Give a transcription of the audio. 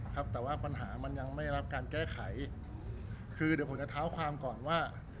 ครับแต่ว่าปัญหามันยังไม่รับการแก้ไขคือเดี๋ยวผมจะเท้าความก่อนว่า